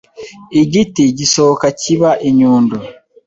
Igiti gisohoka kiba inyundo.